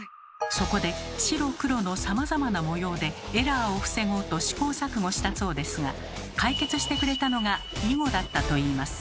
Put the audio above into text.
そこで白黒のさまざまな模様でエラーを防ごうと試行錯誤したそうですが解決してくれたのが囲碁だったといいます。